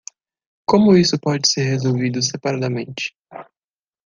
Como isso pode ser resolvido separadamente?